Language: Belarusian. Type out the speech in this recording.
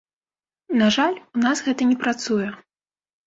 На жаль, у нас гэта не працуе.